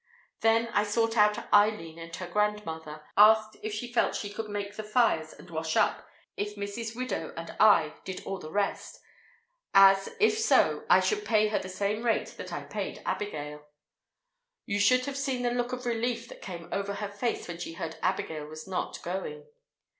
Then I sought out Eileen and her grandmother, asked if she felt she could make the fires and wash up, if Mrs. Widow and I did all the rest; as, if so, I should pay her at the same rate that I paid Abigail. You should have seen the look of relief that came over her face when she heard Abigail was not going.